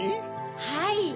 ・・はい・